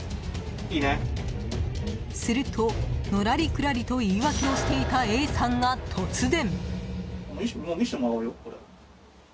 すると、のらりくらりと言い訳をしていたＡさんが突然。